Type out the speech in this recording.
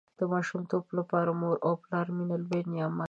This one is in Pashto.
د ماشومانو لپاره د مور او پلار مینه لوی نعمت دی.